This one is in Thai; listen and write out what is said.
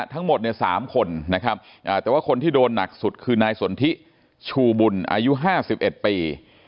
ทั้งหมดเนี่ย๓คนนะครับแต่ว่าคนที่โดนหนักสุดคือนายสนทิชูบุญอายุ๕๑ปี